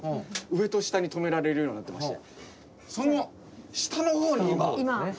上と下に止められるようになってましてその下のほうに今。